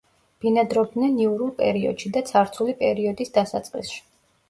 ბინადრობდნენ იურულ პერიოდში და ცარცული პერიოდის დასაწყისში.